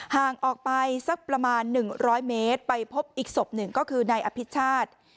ห่างออกไปสักประมาณ๑๐๐เมตรไปพบอีกศพหนึ่งก็คือนายอภิชาติ